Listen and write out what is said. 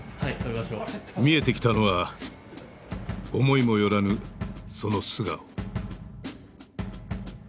見えてきたのは思いも寄らぬその素顔。